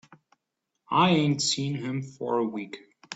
I ain't seen him for a week.